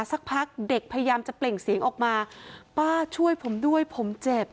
สักพักเด็กพยายามจะเปล่งเสียงออกมาป้าช่วยผมด้วยผมเจ็บ